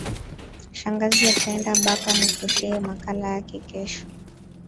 Shangazi ataenda baka mutosheye makala yake kesho